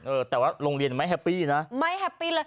เออแต่ว่าโรงเรียนไม่แฮปปี้นะไม่แฮปปี้เลย